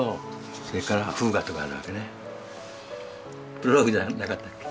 「プロローグ」じゃなかったっけ？